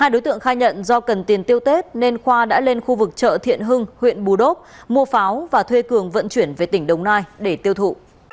hai đối tượng khai nhận do cần tiền tiêu tết nên khoa đã lên khu vực chợ thiện hưng huyện bù đốp mua pháo và thuê cường vận chuyển về tỉnh đồng nai để tiêu thụ